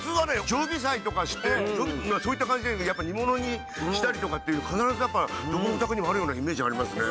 常備菜とかしてそういった感じで煮物にしたりとかっていう必ずだからどこのお宅にもあるようなイメージありますね。